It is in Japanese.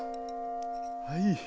はい。